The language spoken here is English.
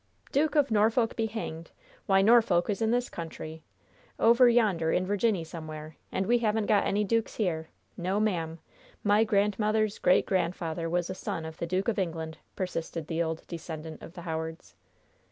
"Duke of Norfolk be hanged! Why, Norfolk is in this country, over yonder in Virginny somewhere, and we haven't got any dukes here! no, ma'am. My grandmother's great grandfather was the son of the Duke of England!" persisted the old descendant of the Howards.